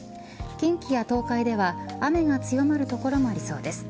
近畿や東海では雨が強まる所もありそうです。